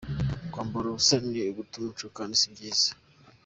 Kwambara ubusa ni uguta umuco kandi si byiza.